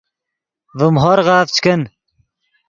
ڤیم ہورغف چے کن